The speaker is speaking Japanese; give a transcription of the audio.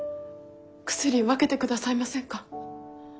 薬分けてくださいませんか？